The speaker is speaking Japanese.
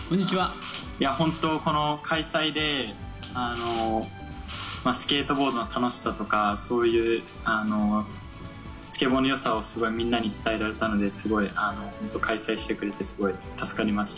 本当、この開催で、スケートボードの楽しさとか、そういうスケボのよさを、すごい、みんなに伝えられたので、すごい、本当開催してくれてすごい助かりました。